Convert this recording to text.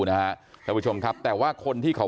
นะครับคุณผู้ชมครับแต่ว่าคนที่เขา